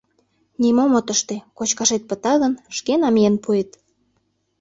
Нимом от ыште, кочкашет пыта гын, шке намиен пуэт...